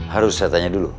harus saya tanya dulu